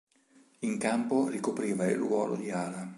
In campo ricopriva il ruolo di ala.